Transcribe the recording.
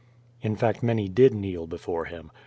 In fact many did kneel before him.